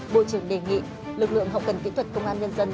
bộ trưởng đề nghị lực lượng hậu cần kỹ thuật công an nhân dân